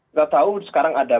tidak tahu sekarang ada